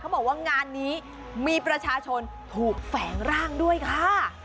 บอกว่างานนี้มีประชาชนถูกแฝงร่างด้วยค่ะ